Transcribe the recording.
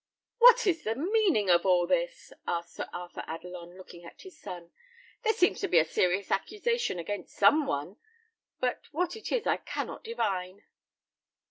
"What is the meaning of all this?" asked Sir Arthur Adelon, looking at his son. "There seems to be a serious accusation against some one, but what it is I cannot divine."